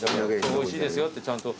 「おいしいですよ」ってちゃんと。